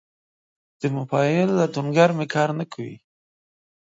د موبایل لټونګر می کار نه کوي